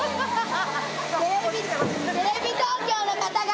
テレビ東京の方が。